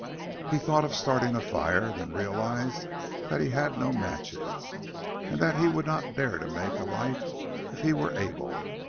He thought of starting a fire, then realized that he had no matches, and that he would not dare to make a light if he were able.